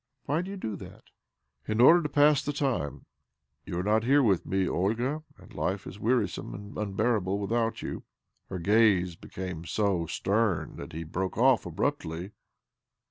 ' ■Why do you do that?" ' In oilder to pass the time . You are nQt here with me, Olga, and life is wearisomie and unbearable without you." OBLOMOV 223 ■Her gaze became so stern that he broke off abruptly.